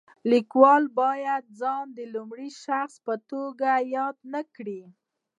لیکوال باید ځان د لومړي شخص په توګه یاد نه کړي.